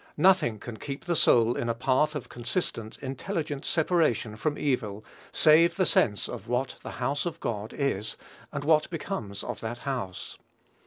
Nothing can keep the soul in a path of consistent, intelligent separation from evil save the sense of what "the house of God" is, and what becomes that house.